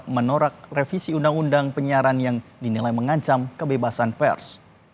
menolak revisi undang undang penyiaran yang dinilai mengancam kebebasan pers